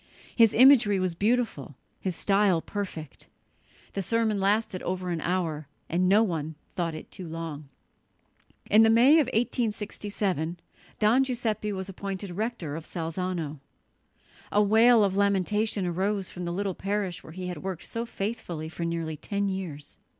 "His imagery was beautiful, his style perfect." The sermon lasted over an hour, and no one thought it too long. In the May of 1867 Don Giuseppe was appointed rector of Salzano. A wail of lamentation arose from the little parish where he had worked so faithfully for nearly ten years.